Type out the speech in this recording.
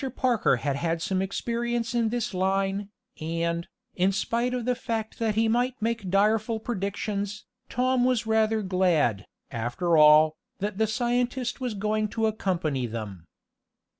Parker had had some experience in this line, and, in spite of the fact that he might make direful predictions, Tom was rather glad, after all, that the scientist was going to accompany them.